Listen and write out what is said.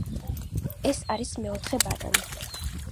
ეს არის მეოთხე ბანანი.